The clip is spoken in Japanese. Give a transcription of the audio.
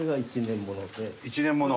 １年もの。